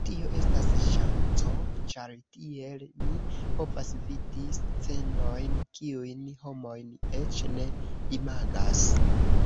Tio estas ŝanco ĉar, tiel, mi povas vidi scenojn kiujn homojn eĉ ne imagas.